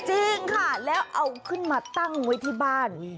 จริงค่ะแล้วเอาขึ้นมาตั้งไว้ที่บ้าน